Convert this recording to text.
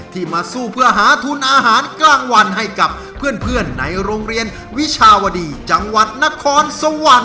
มาสู้เพื่อหาทุนอาหารกลางวันให้กับเพื่อนในโรงเรียนวิชาวดีจังหวัดนครสวรรค์